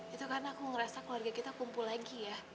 itu karena aku ngerasa keluarga kita kumpul lagi ya